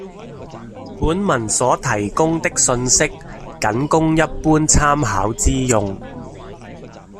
本文所提供的信息僅供一般參考之用